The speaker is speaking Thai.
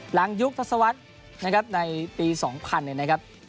หลังยุคทศวรรษในปี๒๐๐๐นี้นะครับ